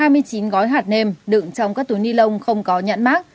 hai mươi chín gói hạt nem đựng trong các túi ni lông không có nhãn mát